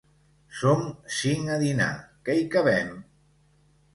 Som cinc a dinar; que hi cabem?